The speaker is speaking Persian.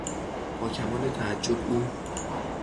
با کمال تعجب او